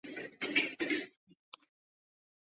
罗克镇区为美国堪萨斯州马歇尔县辖下的镇区。